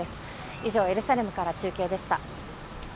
以上、エルサレムから中継でした。